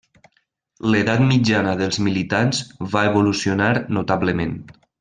L'edat mitjana dels militants va evolucionar notablement.